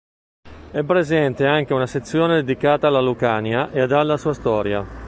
È presente anche una sezione dedicata alla Lucania ed alla sua storia.